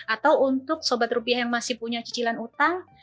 atau untuk sobat rupiah yang masih punya cicilan utang